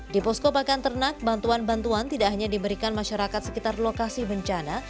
di posko pakan ternak bantuan bantuan tidak hanya diberikan masyarakat sekitar lokasi bencana